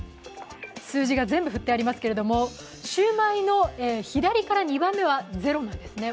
数字が全部振ってありますけれども、シウマイの左から２番目はゼロなんですね。